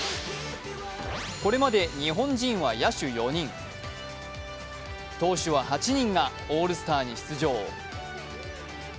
これまで日本人は野手４人、投手は８人がオールスターに出場。